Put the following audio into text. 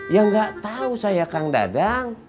ya gak tau saya kang dadang